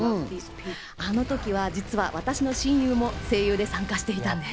あの時は、実は私の親友も声優で参加していたんです。